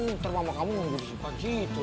ntar mama kamu nunggu disitu